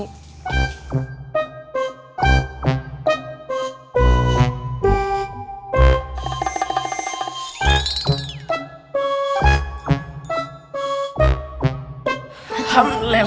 kamu mau mundur